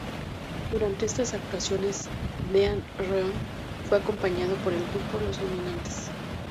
Durante estas actuaciones, Dean Reed fue acompañado por el grupo "Los Dominantes".